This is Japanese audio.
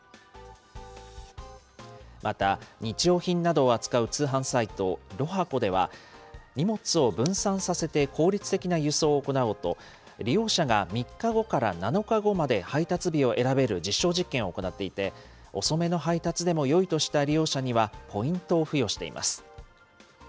また、日用品などを扱う通販サイト、ＬＯＨＡＣＯでは、荷物を分散させて効率的な輸送を行おうと、利用者が３日後から７日後まで配達日を選べる実証実験を行っていて、遅めの配達でもよいとした利用者には、ポイントを付与しています。